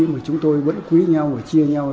mà chúng tôi vẫn quý nhau và chia nhau